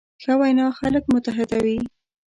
ښه وینا خلک متحدوي.